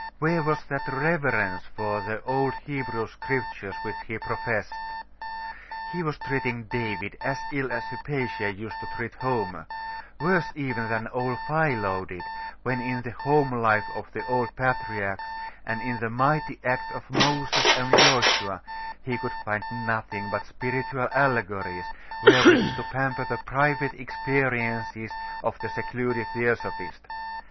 Where was that reverence for the old Hebrew Scriptures which he professed? He was treating David as ill as Hypatia used to treat Homer worse even than old Philo did, when in the home life of the old Patriarchs, and in the mighty acts of Moses and Joshua, he could find nothing but spiritual allegories wherewith to pamper the private experiences of the secluded theosophist.